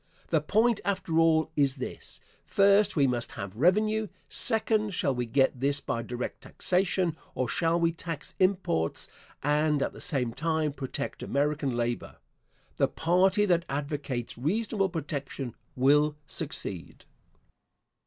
The point, after all, is this: First, we must have revenue; second, shall we get this by direct taxation or shall we tax imports and at the same time protect American labor? The party that advocates reasonable protection will succeed.